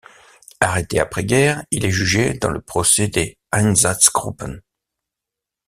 Arrêté après guerre il est jugé dans le procès des Einsatzgruppen.